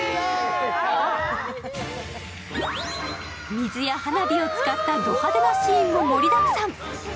水や花火を使ったド派手なシーンも盛りだくさん。